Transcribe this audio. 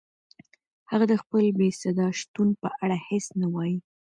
هغه د خپل بېصدا شتون په اړه هیڅ نه وایي.